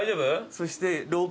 そして。